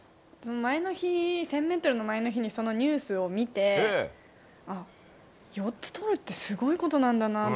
１０００ｍの前の日にそのニュースを見て４つとるってすごいことなんだな。